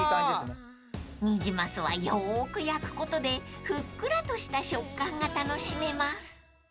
［ニジマスはよく焼くことでふっくらとした食感が楽しめます］